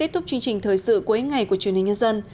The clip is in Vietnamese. kết thúc chương trình thời sự cuối ngày của truyền hình nhân dân